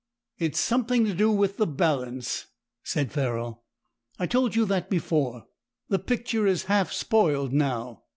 "It's something to do with the balance," said Ferrol. "I told you that before. The picture is half spoiled now."